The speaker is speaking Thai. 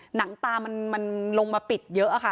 หนังตามันลงมาปิดเยอะค่ะ